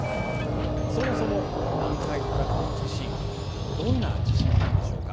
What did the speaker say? そもそも南海トラフ地震どんな地震なんでしょうか？